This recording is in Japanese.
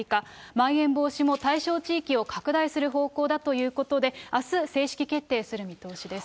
まん延防止も対象地域を拡大する方向だということで、あす、正式決定する見通しです。